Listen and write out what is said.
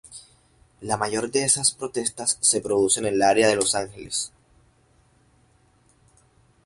La mayor de esas protestas se produce en el área de Los Ángeles.